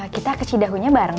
kita ke cidahunya bareng